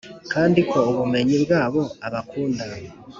kandi ko ubumenyi bwabo abakunda